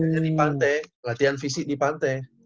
jadi pante latihan fisik di pante